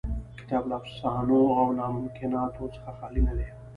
کتاب له افسانو او ناممکناتو څخه خالي نه دی.